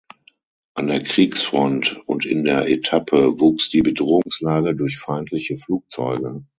An der Kriegsfront und in der Etappe wuchs die Bedrohungslage durch feindliche Flugzeuge.